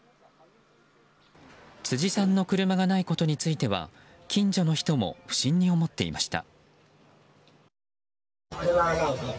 辻さんの車がないことについては近所の人も不審に思っていました。